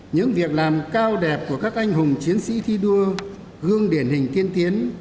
những việc làm cao đẹp của các anh hùng chiến sĩ thi đua gương điển hình tiên tiến